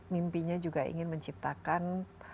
mimpinya juga ingin menciptakan